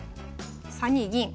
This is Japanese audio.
３二銀。